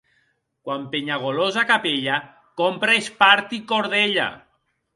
Quan Penyagolosa capella, compra espart i cordella.